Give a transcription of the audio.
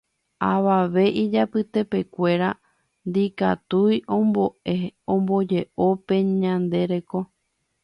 Avave ijapytepekuéra ndikatúi ombojeʼo pe ñande reko.